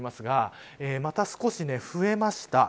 また少し増えました。